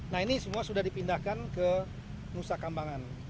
nah ini semua sudah dipindahkan ke nusa kambangan